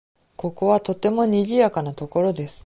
ここはとてもにぎやかな所です。